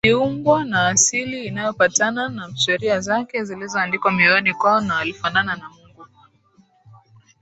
Waliumbwa na asili inayopatana na Sheria zake zilizoandikwa Mioyoni kwao na walifanana na Mungu